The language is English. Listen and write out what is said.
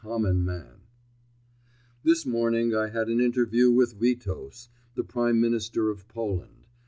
COMMON MAN This morning I had an interview with Witos, the Prime Minister of Poland.